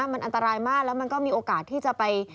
มันอันตรายมากแล้วมันก็มีโอกาสที่จะไป